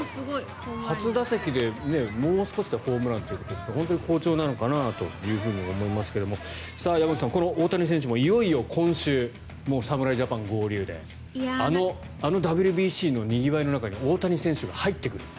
初打席でもう少しでホームランということですから本当に好調なのかなと思いますが山口さん、大谷選手もいよいよ今週、侍ジャパン合流であのＷＢＣのにぎわいの中に大谷選手が入ってくる。